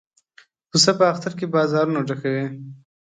پسه په اختر کې بازارونه ډکوي.